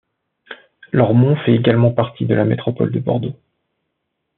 Lormont fait également partie de la métropole de Bordeaux.